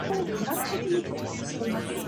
Fully legal weddings are offered.